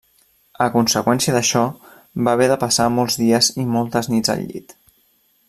A conseqüència d'això, va haver de passar molts dies i moltes nits al llit.